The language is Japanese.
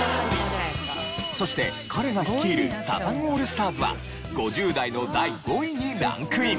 そして彼が率いるサザンオールスターズは５０代の第５位にランクイン！